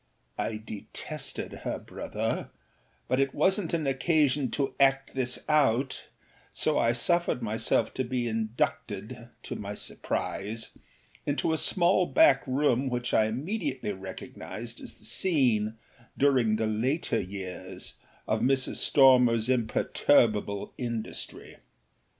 â I detested her brother, but it wasnât an occasion to act this out; so I suffered myself to be inducted, to my surprise, into a small back room which I immediately recognised as the scene, during the later years, of Mrs. Stormerâs imperturbable industry.